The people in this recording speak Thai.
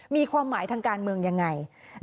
มีความหมายทางการเมืองยังไง